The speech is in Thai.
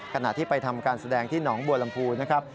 ขณะที่ไปทำการแสดงที่หนองบัวลำพูนะครับ